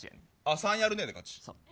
３やるねえで勝ち。